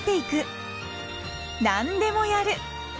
「なんでもやる」。